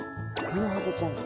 クモハゼちゃん。